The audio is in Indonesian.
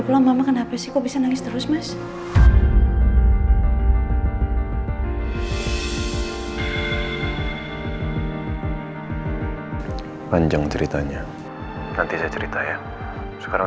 kalau mama kan apa sih kok bisa nangis terus mas panjang ceritanya nanti saya cerita ya sekarang